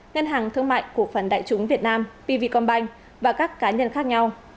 ngân hàng thương mại của phần đại chúng việt nam pv combine và các cá nhân khác nhau